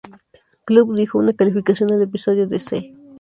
Club" dio una calificación al episodio de "C".